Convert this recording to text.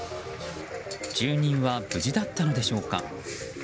住人は無事だったのでしょうか。